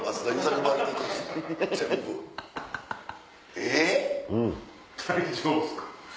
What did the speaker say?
えっ？